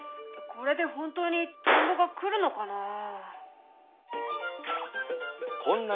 これで本当にトンボが来るのかな？